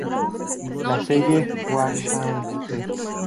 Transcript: La Selle-Guerchaise